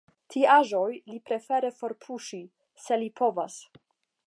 Tiaĵoj li preferas forpuŝi, se li povas.